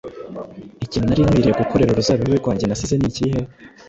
Ikintu nari nkwiriye gukorera uruzabibu rwanjye nasize ni ikihe ?